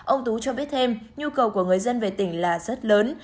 ông tú cho biết thêm nhu cầu của người dân về tỉnh là rất lớn